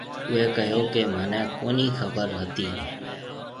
اُوئي ڪھيَََو ڪہ مھنيَ ڪونھيَََ خبر ھتِي۔